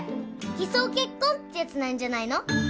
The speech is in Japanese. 偽装結婚ってやつじゃないの？